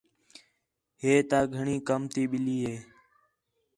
ہے تاں گھݨیں کَم تی ٻِلّھی ہِے